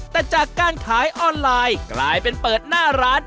แต่จากการขายออนไลน์กลายเป็นเปิดหน้าร้าน